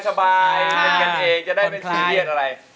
เป็นกันเองจะได้เป็นสิทธิ์